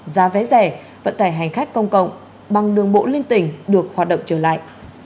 giá vé rẻ vận tải hành khách công cộng bằng đường bộ liên tỉnh được hoạt động trở lại